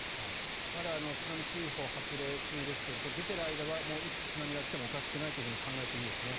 まだ津波注意報発令中ですが出ている間はいつ津波が来てもおかしくないと考えていいですね。